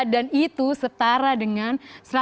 dan itu setara dengan